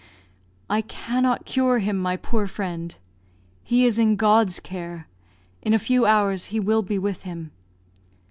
"I cannot cure him, my poor friend. He is in God's care; in a few hours he will be with Him."